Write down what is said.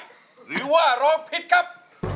หรือว่าร้องผิดครับ